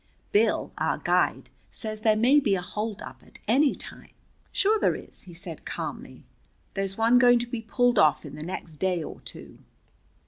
"Bill, our guide, says there may be a holdup at any time." "Sure there is," he said calmly. "There's one going to be pulled off in the next day or two."